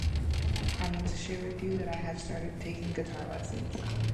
I wanted to share with you that I have started taking guitar lessons.